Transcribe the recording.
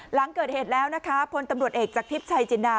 หลังเกิดเหตุแล้วนะคะพลตำรวจเอกจากทิพย์ชัยจินดา